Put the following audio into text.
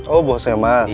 oh bosnya mas